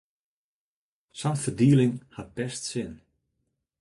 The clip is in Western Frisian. Sa’n ferdieling hat best sin.